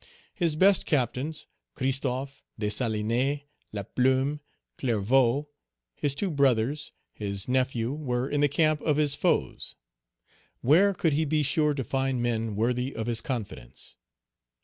His best captains, Christophe, Dessalines, Laplume, Clervaux, his two brothers, his nephew were in the camp of his foes. Where could he be sure to find men worthy of his confidence?